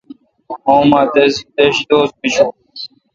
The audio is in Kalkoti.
مہ اماں دش دوس بشون۔